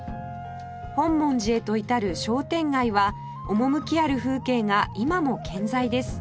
本門寺へと至る商店街は趣ある風景が今も健在です